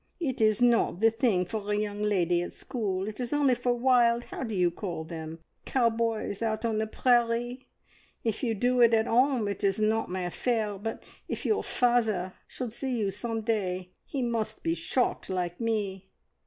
"It is not the thing for a young lady at school; it is only for wild how do you call them `cowboys,' out on the prairie. If you do it at 'ome, it is not my affair, but if your father should see you some day, he must be shocked like me!"